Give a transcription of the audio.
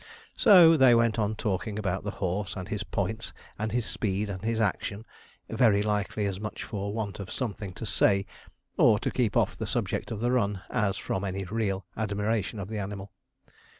So they went on talking about the horse, and his points, and his speed, and his action, very likely as much for want of something to say, or to keep off the subject of the run, as from any real admiration of the animal.